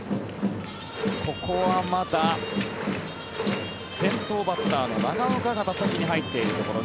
ここはまだ先頭バッターの長岡が打席に入っているところ。